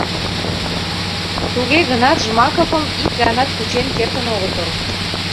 Туге гынат Жмаковым ик ганат кучен кертын огытыл.